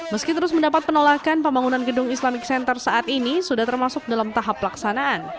meski terus mendapat penolakan pembangunan gedung islamic center saat ini sudah termasuk dalam tahap pelaksanaan